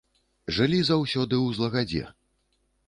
Жылі заўсёды ў злагадзе.